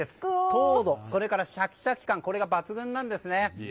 糖度、それからシャキシャキ感が抜群なんですね。